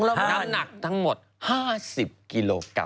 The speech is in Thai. ปลาหมึกแท้เต่าทองอร่อยทั้งชนิดเส้นบดเต็มตัว